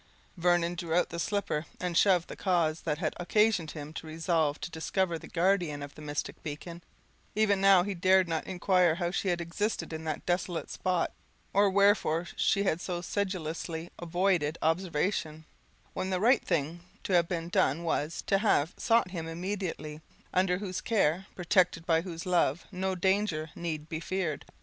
Vernon drew out the slipper, and shoved the cause that had occasioned him to resolve to discover the guardian of the mystic beacon; even now he dared not inquire how she had existed in that desolate spot, or wherefore she had so sedulously avoided observation, when the right thing to have been done was, to have sought him immediately, under whose care, protected by whose love, no danger need be feared.